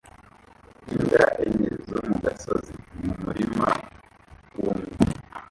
Imbwa enye zo mu gasozi mu murima wumye